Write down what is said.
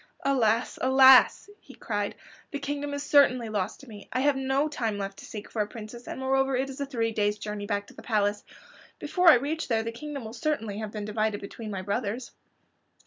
"Alas, alas!" he cried. "The kingdom is certainly lost to me. I have no time left to seek for a princess, and moreover it is a three days' journey back to the palace. Before I reach there the kingdom will certainly have been divided between my brothers."